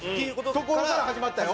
ところから始まったよ。